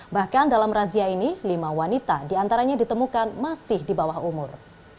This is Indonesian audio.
bahkan dalam razia ini lima wanita diantaranya ditemukan masih di bawah umur